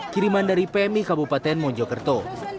kiriman dari pmi kabupaten mojokerto